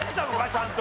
ちゃんと。